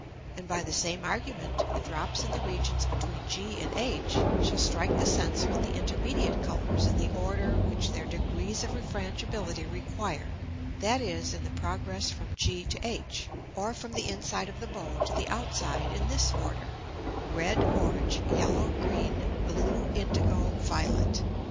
And by the same Argument, the Drops in the Regions between G and H shall strike the Sense with the intermediate Colours in the Order which their Degrees of Refrangibility require, that is, in the Progress from G to H, or from the inside of the Bow to the outside in this order, red, orange, yellow, green, blue, indigo, violet.